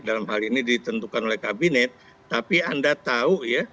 dalam hal ini ditentukan oleh kabinet tapi anda tahu ya